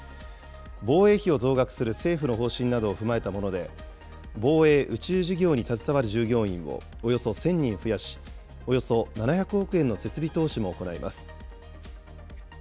防衛費を増額する政府の方針などを踏まえたもので、防衛・宇宙事業に携わる従業員をおよそ１０００人増やし、およそ７００億円の設備投資も行います。